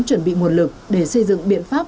chuẩn bị nguồn lực để xây dựng biện pháp